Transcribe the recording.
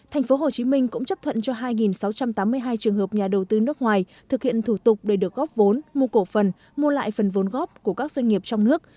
tp hcm cũng chấp thuận cho hai sáu trăm tám mươi hai trường hợp nhà đầu tư nước ngoài thực hiện thủ tục để được góp vốn mua cổ phần mua lại phần vốn góp của các doanh nghiệp trong nước